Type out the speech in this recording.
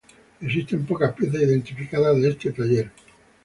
Existen pocas piezas identificadas de este taller.